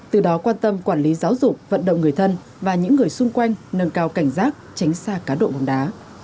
từ đó quan tâm quản lý giáo dục vận động người thân và những người xung quanh nâng cao cảnh giác tránh xa cá độ bóng đá